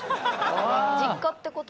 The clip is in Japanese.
実家ってこと？